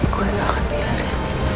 gue gak akan biarin